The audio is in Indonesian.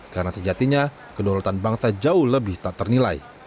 karena sejatinya kedolotan bangsa jauh lebih tak ternilai